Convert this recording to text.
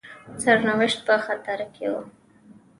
سرنوشت په خطر کې وو.